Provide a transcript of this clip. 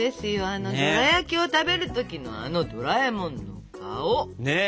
あのドラやきを食べる時のあのドラえもんの顔。ね。